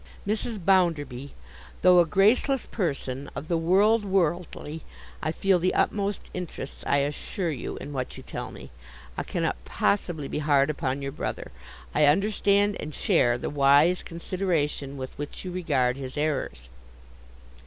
'Mrs. Bounderby, though a graceless person, of the world worldly, I feel the utmost interest, I assure you, in what you tell me. I cannot possibly be hard upon your brother. I understand and share the wise consideration with which you regard his errors.